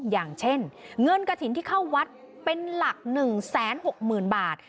อย่างเช่นเงินกระถิ่นที่เข้าวัดเป็นหลัก๑๖๐๐๐บาท